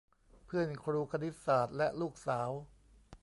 เพื่อนครูคณิตศาสตร์และลูกสาว